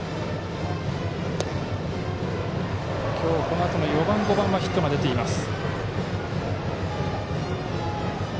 今日はこのあとの４番、５番はヒットが出ています。